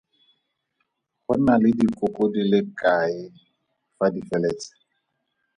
Go na le dikoko di le kae fa di feletse?